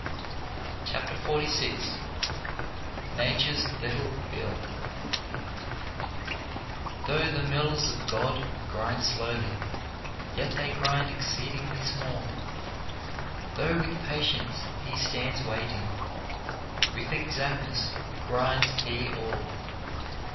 CHAPTER XLVI NATURE'S LITTLE BILL Though the mills of God grind slowly, yet they grind exceeding small; Though with patience He stands waiting, with exactness grinds He all.